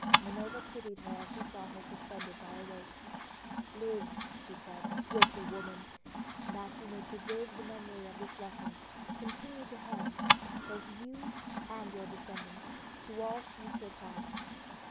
Minerva pitied her as she saw her suspended by a rope. "Live," she said, "guilty woman! and that you may preserve the memory of this lesson, continue to hang, both you and your descendants, to all future times."